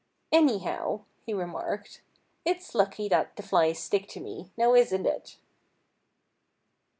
"Anyhow," he remarked, "it's lucky that the flies stick to me—now isn't it?"